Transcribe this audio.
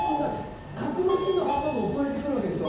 格之進のハンバーグが送られてくるわけでしょ！